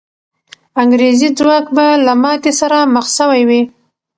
انګریزي ځواک به له ماتې سره مخ سوی وي.